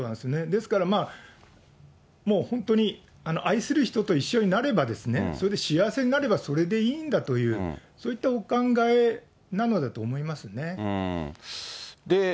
ですからもう本当に、愛する人と一緒になれば、それで幸せになればそれでいいんだという、そういったお考えなのだと思いますね。